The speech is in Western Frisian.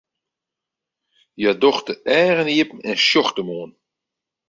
Hja docht de eagen iepen en sjocht him oan.